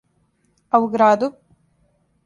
А у граду?